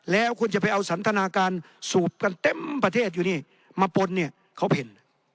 แล้วคุณจะไปเอาสันทนาการสูบกันเต็มประเทศอยู่นี่มาปนเนี่ยเขาเห็น